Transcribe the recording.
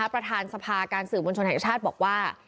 ประธานสภาการสื่อมวลชนแห่งชาติบอกว่า